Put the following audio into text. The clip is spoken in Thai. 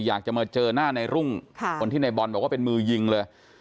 อยากจะมาเจอหน้าในรุ่งคนที่ในบอลบอกว่าเป็นมือยิงเลย